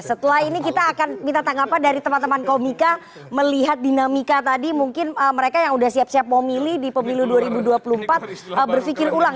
setelah ini kita akan minta tanggapan dari teman teman komika melihat dinamika tadi mungkin mereka yang sudah siap siap mau milih di pemilu dua ribu dua puluh empat berpikir ulang